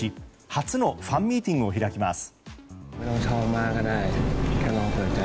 初のファンミーティングを開きます。